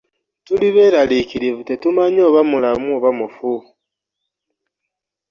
Tuli beeraliikirivu tetumanyi oba mulamu oba mufu.